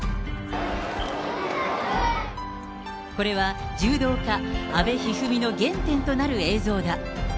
これは柔道家、阿部一二三の原点となる映像だ。